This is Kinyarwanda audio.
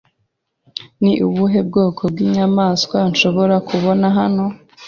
Ni ubuhe bwoko bw'inyamaswa nshobora kubona hano?